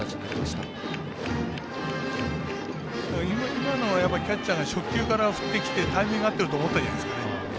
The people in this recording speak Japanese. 今のは、キャッチャーが初球から入ってきてタイミング合ってると思ったんじゃないですかね。